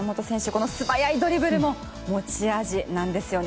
この素早いドリブルも持ち味なんですよね。